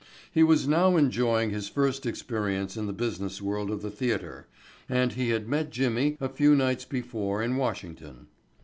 He was now enjoying his first experience in the business world of the theatre and he had met Jimmy a few nights before in Washington.